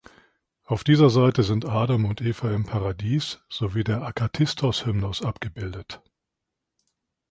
Auf dieser Seite sind Adam und Eva im Paradies sowie der Akathistos-Hymnos abgebildet.